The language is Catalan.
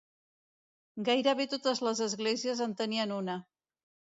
Gairebé totes les esglésies en tenien una.